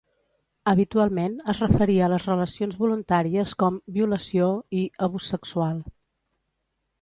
Habitualment es referia a les relacions voluntàries com "violació" i "abús sexual".